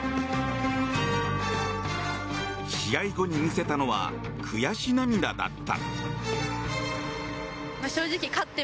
試合後に見せたのは悔し涙だった。